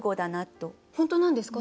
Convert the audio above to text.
本当なんですか？